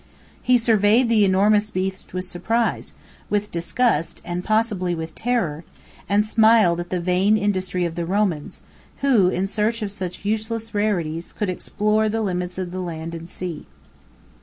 He surveyed the enormous beast with surprise, with disgust, and possibly with terror; and smiled at the vain industry of the Romans, who, in search of such useless rarities, could explore the limits of the land and sea.